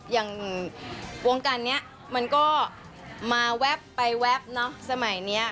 อย่างวงการนี้มันก็มาแว๊บไปแวบเนอะสมัยนี้